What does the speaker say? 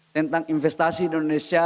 tentang investasi di indonesia